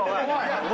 お前